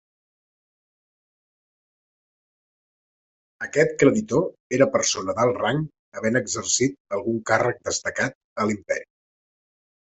Aquest creditor era persona d'alt rang havent exercit algun càrrec destacat a l'imperi.